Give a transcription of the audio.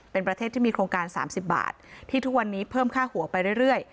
เป็นประเทศที่มีโครงการ๓๐บาทที่ทุกวันนี้เพิ่มค่าหัวไปเรื่อย